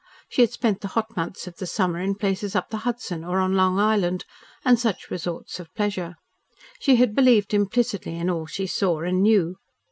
She had spent the hot months of the summer in places up the Hudson, or on Long Island, and such resorts of pleasure. She had believed implicitly in all she saw and knew.